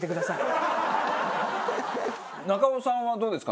中尾さんはどうですか？